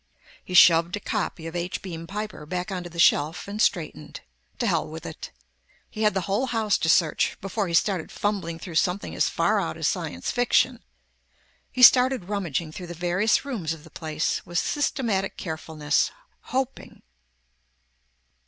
He shoved a copy of H. Beam Piper back onto the shelf and straightened. To hell with it. He had the whole house to search, before he started fumbling through something as far out as science fiction. He started rummaging through the various rooms of the place with systematic carefulness. Hoping...